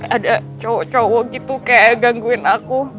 ada cowok cowok gitu kayak gangguin aku